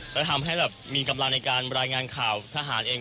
แล้วทำให้แบบมีกำลังในการรายงานข่าวทหารเอง